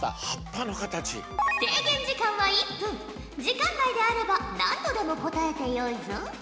時間内であれば何度でも答えてよいぞ。